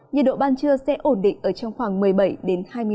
nhiệt độ ban trưa sẽ ổn định ở trong khoảng một mươi bảy hai mươi năm độ